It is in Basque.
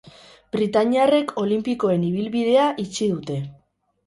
Britainiarrek olinpikoen ibilbidea itxi dute.